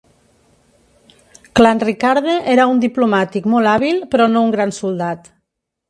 Clanricarde era un diplomàtic molt hàbil però no un gran soldat.